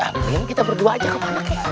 mungkin kita berdua aja kemana kak